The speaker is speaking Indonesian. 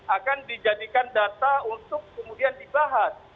akan dijadikan data untuk kemudian dibahas